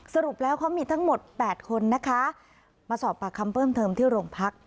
สรุปแล้วเขามีทั้งหมด๘คนนะคะมาสอบปากคำเพิ่มเติมที่โรงพัก